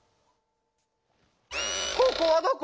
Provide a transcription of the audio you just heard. ここはどこ？